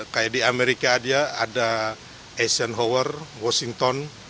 kayak di amerika ada asian howard washington